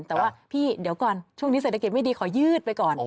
แต่ว่าพี่เดี๋ยวก่อนช่วงนี้เศรษฐกิจไม่ดีขอยืดไปก่อน